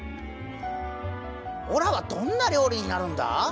オラはどんな料理になるんだ？